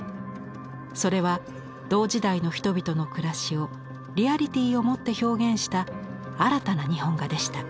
それは同時代の人々の暮らしをリアリティーをもって表現した新たな日本画でした。